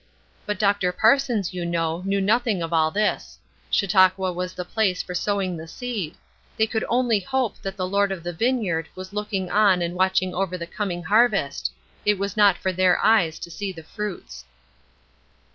But Dr. Parsons, you know, knew nothing of all this. Chautauqua was the place for sowing the seed; they could only hope that the Lord of the vineyard was looking on and watching over the coming harvest; it was not for their eyes to see the fruits.